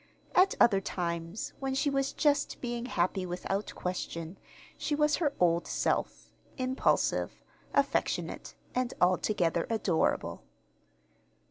At other times, when she was just being happy without question, she was her old self impulsive, affectionate, and altogether adorable.